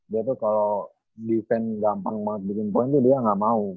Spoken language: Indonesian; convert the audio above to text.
dia tuh kalau defense gampang banget bikin poin tuh dia nggak mau